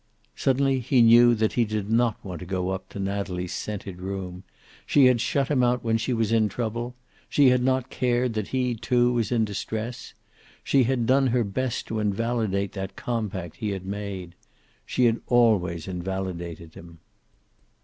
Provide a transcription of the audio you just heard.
Suddenly he knew that he did not want to go up to Natalie's scented room. She had shut him out when she was in trouble. She had not cared that he, too, was in distress. She had done her best to invalidate that compact he had made. She had always invalidated him.